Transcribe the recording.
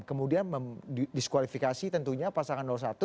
kemudian didiskualifikasi tentunya pasangan satu